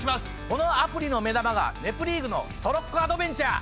このアプリの目玉が『ネプリーグ』のトロッコアドベンチャー！